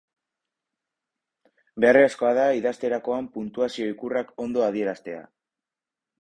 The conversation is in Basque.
Beharrezkoa da idazterakoan puntuazio-ikurrak ondo adieraztea.